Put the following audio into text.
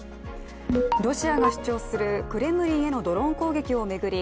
ロシアが主張するクレムリンへのドローン攻撃を巡り